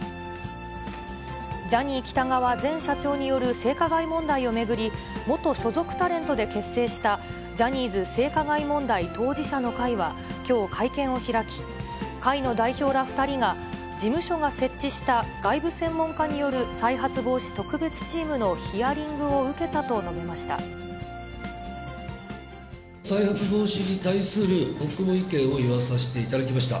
ジャニー喜多川前社長による性加害問題を巡り、元所属タレントで結成したジャニーズ性加害問題当事者の会は、きょう会見を開き、会の代表ら２人が、事務所が設置した外部専門家による再発防止特別チームのヒアリン再発防止に対する僕の意見を言わさせていただきました。